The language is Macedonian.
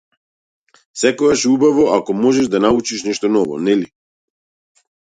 Секогаш е убаво ако можеш да научиш нешто ново, нели?